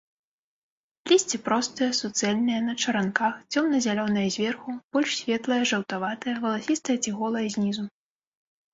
Лісце простае, суцэльнае, на чаранках, цёмна-зялёнае зверху, больш светлае, жаўтаватае, валасістае ці голае знізу.